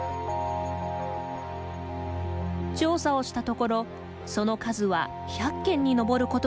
調査をしたところその数は１００軒に上ることが分かりました。